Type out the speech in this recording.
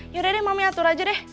yaudah deh mami atur aja deh